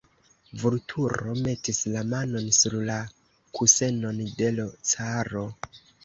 Vulturo metis la manon sur la kusenon de l' caro.